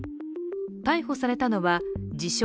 逮捕されたのは自称